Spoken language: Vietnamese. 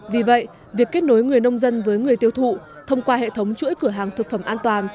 vì vậy việc kết nối người nông dân với người tiêu thụ thông qua hệ thống chuỗi cửa hàng thực phẩm an toàn